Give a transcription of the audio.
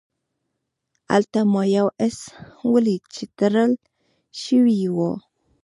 هلته ما یو آس ولید چې تړل شوی و.